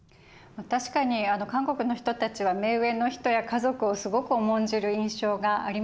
確かに韓国の人たちは目上の人や家族をすごく重んじる印象がありますよね。